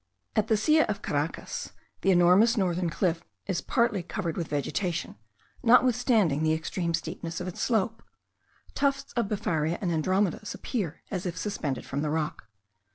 At the Silla of Caracas, the enormous northern cliff is partly covered with vegetation, notwithstanding the extreme steepness of its slope. Tufts of befaria and andromedas appear as if suspended from the rock.